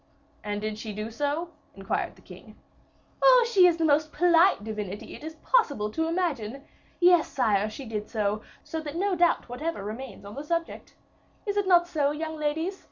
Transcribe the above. "And did she do so?" inquired the king. "Oh, she is the most polite divinity it is possible to imagine! Yes, sire, she did so; so that no doubt whatever remains on the subject. Is it not so, young ladies?"